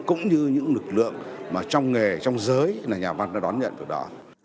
cũng như những lực lượng trong nghề trong giới nhà văn đã đón nhận được đó